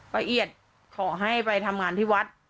ละเอียดขอให้ไปทำงานที่วัด